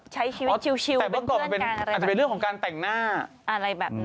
ใช้ชีวิตชิลเป็นเพื่อนกันอะไรแบบนี้อาจจะเป็นเรื่องของการแต่งหน้าอะไรแบบนั้น